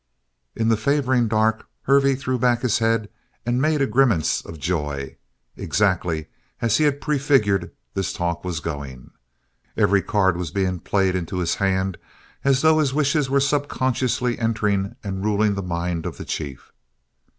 In the favoring dark, Hervey threw back his head and made a grimace of joy. Exactly as he had prefigured, this talk was going. Every card was being played into his hand as though his wishes were subconsciously entering and ruling the mind of the chief.